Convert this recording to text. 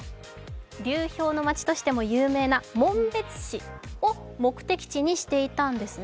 流氷の街としても有名な紋別市を目的地にしていたんですね。